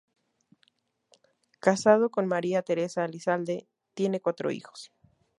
Casado con María Teresa Elizalde, tiene cuatro hijos.